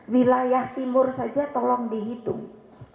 wilayah timur saja tolong dihitung